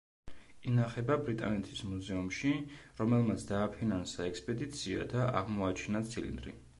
ინახება ბრიტანეთის მუზეუმში, რომელმაც დააფინანსა ექსპედიცია და აღმოაჩინა ცილინდრი.